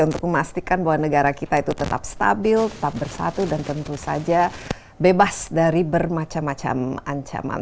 untuk memastikan bahwa negara kita itu tetap stabil tetap bersatu dan tentu saja bebas dari bermacam macam ancaman